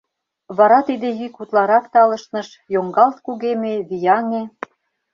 Вара тиде йӱк утларак талышныш, йоҥгалт кугеме, вияҥе.